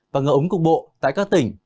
và ngợ ống cục bộ tại các tỉnh